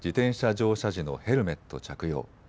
乗車時のヘルメット着用。